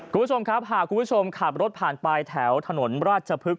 คุณผู้ชมครับหากคุณผู้ชมขับรถผ่านไปแถวถนนราชพฤกษ